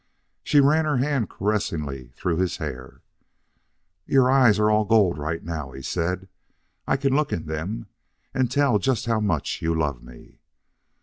She ran her hand caressingly through his hair. "Your eyes are all gold right now," he said. "I can look in them and tell just how much you love me."